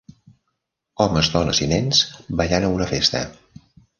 Homes, dones i nens ballant a una festa.